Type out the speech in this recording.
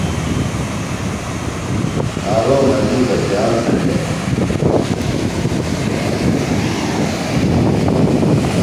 حارومہ دی بہ خیال تھینڈیو۔